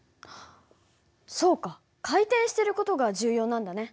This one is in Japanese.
そうか回転してる事が重要なんだね。